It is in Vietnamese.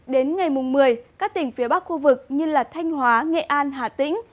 đến ngày mùng một mươi các tỉnh phía bắc khu vực như là thanh hóa nghệ an hà tĩnh